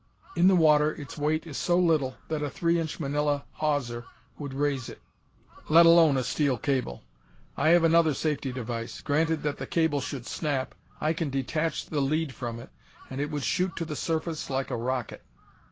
In the water its weight is so little that a three inch manilla hawser would raise it, let alone a steel cable. I have another safety device. Granted that the cable should snap, I can detach the lead from it and it would shoot to the surface like a rocket."